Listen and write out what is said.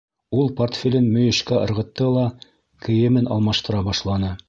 Ул портфелен мөйөшкә ырғытты ла кейемен алмаштыра башланы.